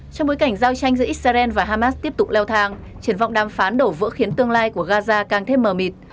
trong bối cảnh giao tranh giữa israel và hamas tiếp tục leo thang triển vọng đàm phán đổ vỡ khiến tương lai của gaza càng thêm mờ mịt